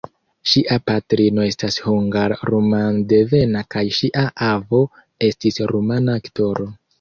Ŝia patrino estas hungar-rumandevena kaj ŝia avo estis rumana aktoro.